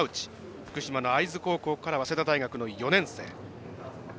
福島の会津高校から早稲田大学の４年生。